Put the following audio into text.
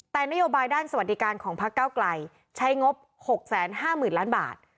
แต่นโยบายด้านสวัสดิการของพักเก้าไกลใช้งบ๖๕๐๐๐ล้านบาท